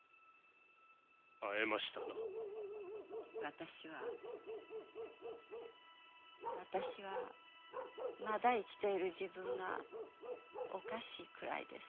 私は私はまだ生きている自分がおかしいくらいです。